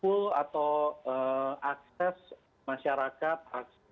full atau akses masyarakat